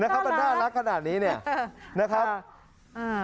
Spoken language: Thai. นะครับเป็นท่านรักขนาดนี้เนี่ยนะครับ